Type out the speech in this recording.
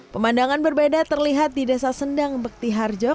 pemandangan berbeda terlihat di desa sendang bekti harjo